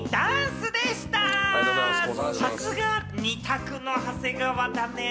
さすが、二択の長谷川だね。